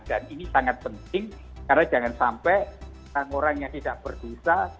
dan ini sangat penting karena jangan sampai orang orang yang tidak berdosa